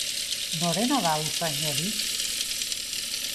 Norena da usain hori?